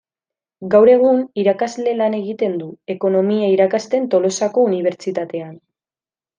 Gaur egun, irakasle lan egiten du, ekonomia irakasten Tolosako Unibertsitatean.